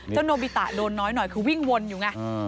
เจ้าโนบิตะโดนน้อยคือวิ่งวนอยู่ไง